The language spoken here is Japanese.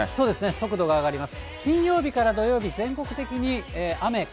速度が上がります。